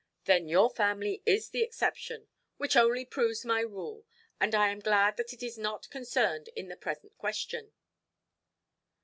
"Then your family is the exception, which only proves my rule; and I am glad that it is not concerned in the present question".